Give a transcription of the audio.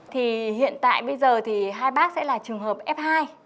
thì hiện tại bây giờ thì hai bác sẽ là trường hợp f hai